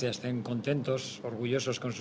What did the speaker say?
ia juga akan menjadi satu meer google account